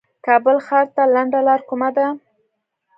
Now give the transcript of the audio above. کابل ښار ته لنډه لار کومه ده